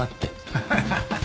ハハハハ。